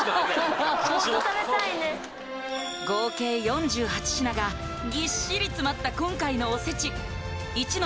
合計４８品がぎっしり詰まった今回のおせち壱之